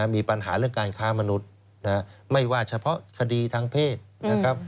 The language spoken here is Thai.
มีปัญหาเรื่องการค้ามนุษย์ไม่ว่าเฉพาะคดีทางเพศนะครับ